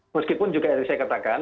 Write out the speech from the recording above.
meskipun juga tadi saya katakan